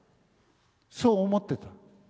そう思ってた。